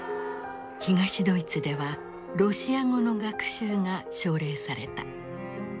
東ドイツではロシア語の学習が奨励された。